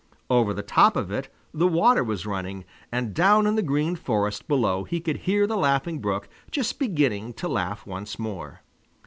Over the top of it the water was running, and down in the Green Forest below he could hear the Laughing Brook just beginning to laugh once more.